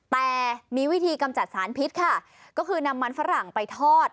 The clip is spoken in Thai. แต่มีวิธีกำจัดสารพิษค่ะก็คือนำมันฝรั่งไปทอด